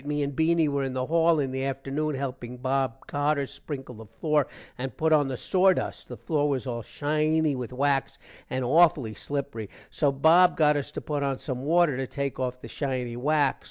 me and Beany were in the hall in the afternoon helping Bob Carter sprinkle the floor and put on the sordust. the floor was all shiny with wax and aufully slipery. so Bob got us to put on some water to take off the shiny wax.